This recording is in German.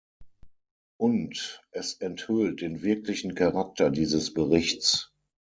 Und es enthüllt den wirklichen Charakter dieses Berichts.